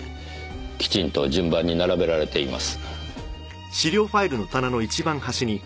きちんと順番に並べられています。